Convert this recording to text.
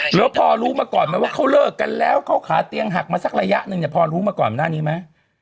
แล้วพอรู้มาก่อนไหมว่าเขาเลิกกันแล้วเขาขาเตียงหักมาสักระยะหนึ่งเนี่ยพอรู้มาก่อนหน้านี้ไหม